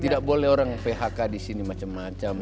tidak boleh orang phk di sini macam macam